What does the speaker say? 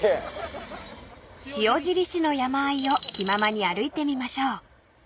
［塩尻市の山あいを気ままに歩いてみましょう］